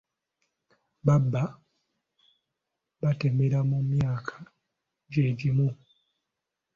Baba batemera mu myaka gye gimu.